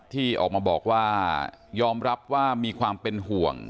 ที่ออกมาบอกว่ายอมรับว่ามีความเป็นห่วง